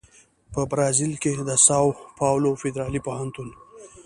په برازیل کې د ساو پاولو فدرالي پوهنتون